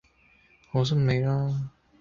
好心你啦